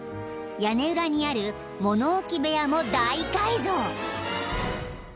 屋根裏にある物置部屋も大改造］